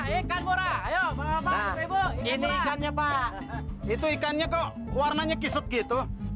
ikan pura ikan pura ayo ini kamu ya pak itu ikannya kok warnanya dalemat gitu